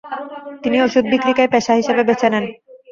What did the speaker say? তিনি ওষুধ বিক্রিকেই পেশা হিসেবে বেছে নেন।